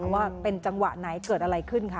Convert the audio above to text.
ว่าเป็นจังหวะไหนเกิดอะไรขึ้นคะ